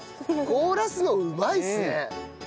凍らすのうまいですね！